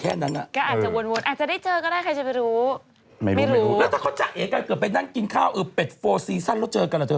แล้วถ้าเขาจักกันกันเกือบไปนั่งกินข้าวอืบเป็ด๔ซีสันแล้วเจอกันเหรอเธอ